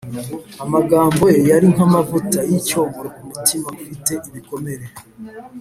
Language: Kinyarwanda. Amagambo Ye yari nk’amavuta y’icyomoro ku mutima ufite ibikomere.